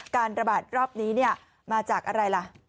การระบาดรอบนี้มาจากอะไรล่ะ